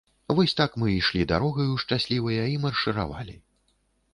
Вось так мы ішлі дарогаю шчаслівыя і маршыравалі.